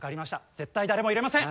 絶対誰も入れません！